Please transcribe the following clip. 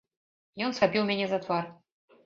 Ён схапіў мяне за твар.